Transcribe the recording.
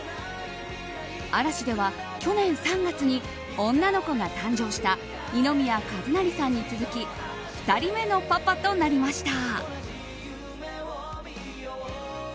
嵐では、去年３月に女の子が誕生した二宮和也さんに続き２人目のパパとなりました。